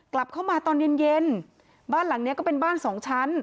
กลับเข้ามาตอนเย็นเย็นบ้านหลังเนี้ยก็เป็นบ้านสองชั้น